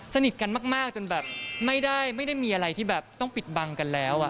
สนิทกันมากจนแบบไม่ได้มีอะไรที่แบบต้องปิดบังกันแล้ว